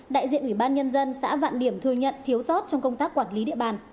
đại diện ủy ban nhân dân xã vạn điểm thừa nhận thiếu sót trong công tác quản lý địa bàn